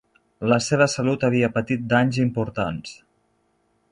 La seva salut havia patit danys importants.